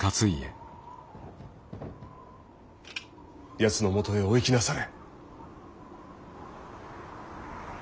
やつのもとへお行きなされ。